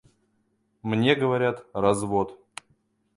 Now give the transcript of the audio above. Мне говорят — развод.